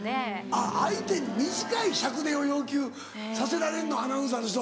あっ相手に短い尺でを要求させられるのアナウンサーの人。